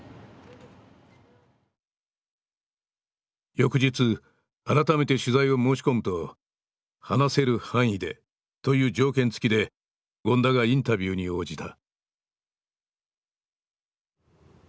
翌日改めて取材を申し込むと「話せる範囲で」という条件付きで権田がインタビューに応じた。